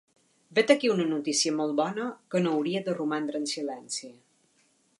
Vet aquí una notícia molt bona que no hauria de romandre en silenci.